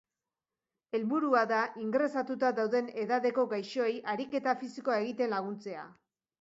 Helburua da ingresatuta dauden edadeko gaixoei ariketa fisikoa egiten laguntzea.